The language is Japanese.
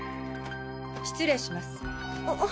失礼します。